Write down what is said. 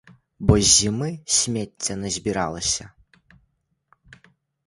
Бо з зімы смецця назбіралася.